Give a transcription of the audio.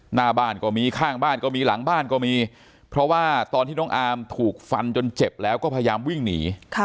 หน้าบ้านก็มีข้างบ้านก็มีหลังบ้านก็มีเพราะว่าตอนที่น้องอาร์มถูกฟันจนเจ็บแล้วก็พยายามวิ่งหนี